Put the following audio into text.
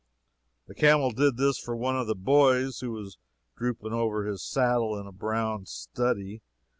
A camel did this for one of the boys, who was drooping over his saddle in a brown study.